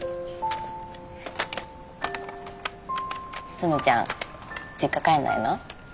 つむちゃん実家帰んないの？